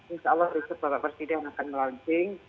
insya allah riset bapak presiden akan launching